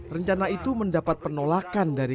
rencana itu mendapat penolakan dari